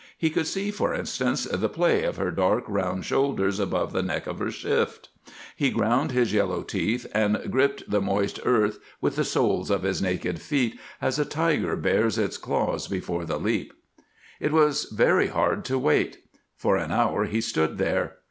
He could see, for instance, the play of her dark round shoulders above the neck of her shift. He ground his yellow teeth and gripped the moist earth with the soles of his naked feet, as a tiger bares its claws before the leap. It was very hard to wait. For an hour he stood there.